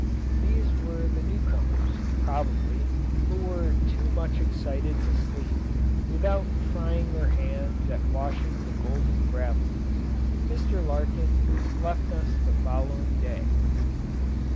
These were the new comers, probably, who were too much excited to sleep without trying their hands at washing the golden gravel. Mr. Larkin left us the following day.